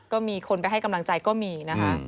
ก็มีคนไปให้กำลังใจก็มีนะคะ